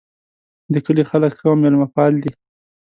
د کلي خلک ښه او میلمه پال دي